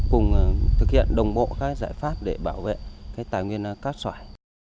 cùng thực hiện đồng bộ các giải pháp để bảo vệ tài nguyên cát sỏi